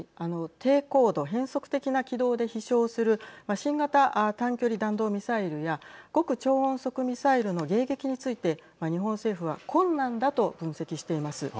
低高度変則的な軌道で飛翔する新型短距離弾道ミサイルや極超音速ミサイルの迎撃について日本政府は困難だと分析しています。